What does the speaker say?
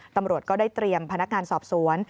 ตำรวจก็ได้เตรียมพนักงานสอบสวน